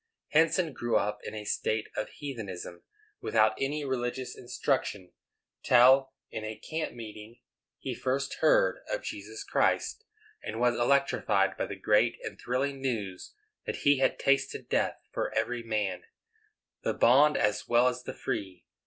Henson grew up in a state of heathenism, without any religious instruction, till, in a camp meeting, he first heard of Jesus Christ, and was electrified by the great and thrilling news that He had tasted death for every man, the bond as well as the free.